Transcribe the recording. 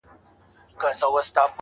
څنگه دي وستايمه~